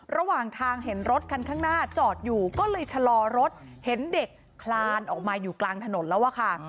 ระหว่างทางเห็นรถคันข้างหน้าจอดอยู่ก็เลยชะลอรถเห็นเด็กคลานออกมาอยู่กลางถนนแล้วอะค่ะ